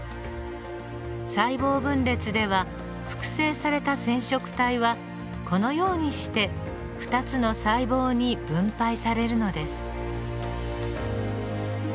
細胞分裂では複製された染色体はこのようにして２つの細胞に分配されるのです。